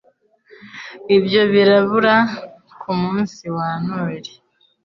Ibyo birabura ku munsi wa Noheri